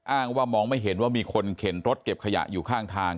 อ้างว่ามองไม่เห็นว่ามีคนเข็นรถเก็บขยะอยู่ข้างทาง